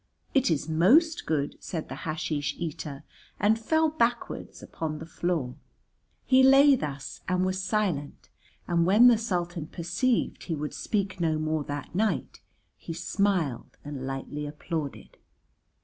"It is most good," said the hasheesh eater, and fell backwards upon the floor. He lay thus and was silent. And when the Sultan perceived he would speak no more that night he smiled and lightly applauded.